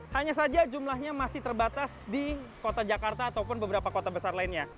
hanya saja jumlahnya masih terbatas di kota jakarta ataupun beberapa kota besar lainnya